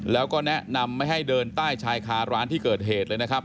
แล้วก็แนะนำไม่ให้เดินใต้ชายคาร้านที่เกิดเหตุเลยนะครับ